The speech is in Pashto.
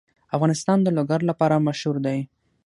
افغانستان د لوگر لپاره مشهور دی.